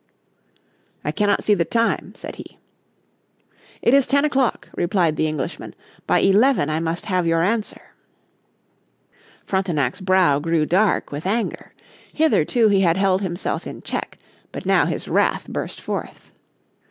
"I cannot see the time," said he. "It is ten o'clock," replied the Englishman. "By eleven I must have your answer." Frontenac's brow grew dark with anger. Hitherto he had held himself in check, but now his wrath burst forth.